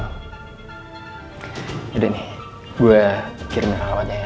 udah deh nih gue kirimin rawatnya ya